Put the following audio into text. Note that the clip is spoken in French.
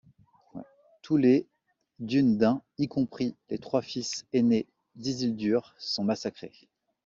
Tous les Dúnedain, y compris les trois fils aînés d'Isildur, sont massacrés.